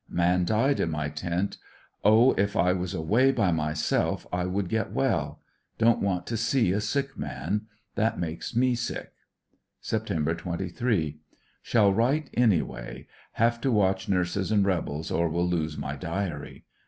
Man died in my tent. Oh, if I was away by myself, I would get well. Don't want to see a sick man. That makes me sick. Sept. 23. — Shall write any way; have to watch nurses and rebels or will lose my diary.